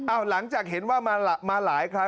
หลังจากเห็นว่ามาหลายครั้ง